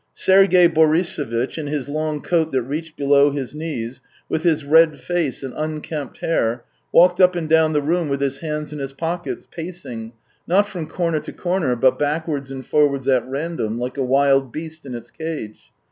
Sergey Borisovitch, in his long coat that reached below his knees, with his red face and unkempt hair, walked up and down the room with his hands in his pockets, pacing, not from corner to corner, but backwards and forwards at random, like a wild beast in its cage.